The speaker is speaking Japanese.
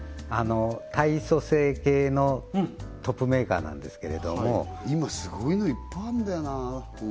体組成計のトップメーカーなんですけれども今スゴいのいっぱいあんだよな